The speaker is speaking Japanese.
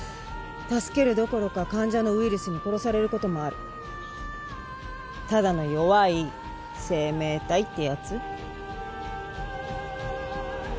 助けるどころか患者のウイルスに殺される事もあるただの弱い生命体ってやつ。